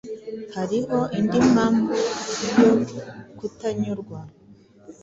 Hariho indi mpamvu yo kutanyurwa.